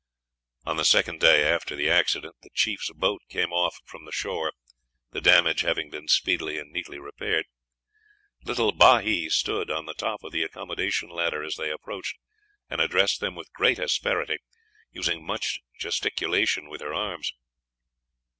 On the second day after the accident, the chief's boat came off from the shore, the damage having been speedily and neatly repaired. Little Bahi stood on the top of the accommodation ladder as they approached, and addressed them with great asperity, using much gesticulation with her arms.